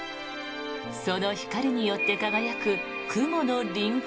その光によって輝く雲の輪郭。